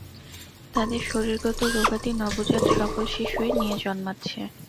তাদের শরীরগত রোগাদি নবজাত সকল শিশুই নিয়ে জন্মাচ্ছে।